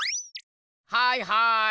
はいはい！